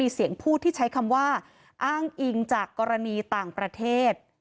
เสียงพูดที่ใช้คำว่าอ้างอิงจากกรณีต่างประเทศ